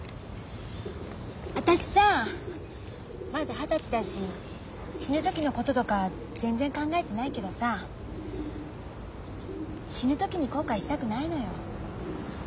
私さまだ二十歳だし死ぬ時のこととか全然考えてないけどさ死ぬ時に後悔したくないのよ。